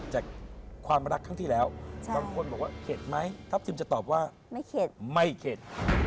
จากความรักครั้งที่แล้วบางคนบอกว่าเข็ดไหมทัพทิมจะตอบว่าไม่เข็ดไม่เข็ด